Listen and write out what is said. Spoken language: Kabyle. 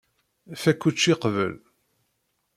Fakk učči qbel.